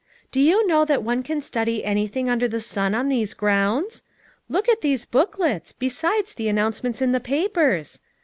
Do you know that one can study anything under the sun on these grounds? Look at these book lets, besides the announcements in the papers.